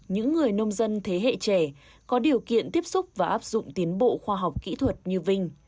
những người nông dân thế hệ trẻ có điều kiện tiếp xúc và áp dụng tiến bộ khoa học kỹ thuật như vinh